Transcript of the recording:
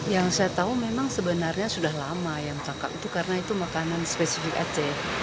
yang saya tahu memang sebenarnya sudah lama ayam kakak itu karena itu makanan spesifik aceh